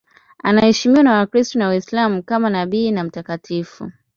Anaheshimiwa na Wakristo na Waislamu kama nabii na mtakatifu.